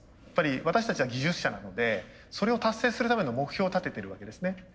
やっぱり私たちは技術者なのでそれを達成するための目標を立ててるわけですね。